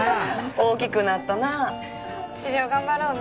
大きくなったな治療頑張ろうね